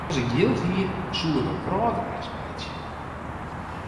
As ik jild hie, soe ik in wrâldreis meitsje.